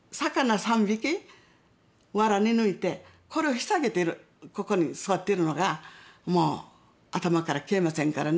わらに抜いてこれを引き下げてるここに座っているのがもう頭から消えませんからね。